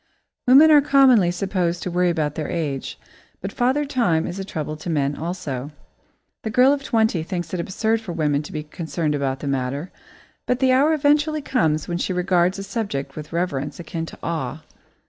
Women are commonly supposed to worry about their age, but Father Time is a trouble to men also. The girl of twenty thinks it absurd for women to be concerned about the matter, but the hour eventually comes when she regards the subject with reverence akin to awe.